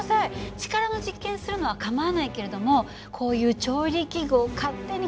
力の実験するのは構わないけれどもこういう調理器具を勝手に改造するのとか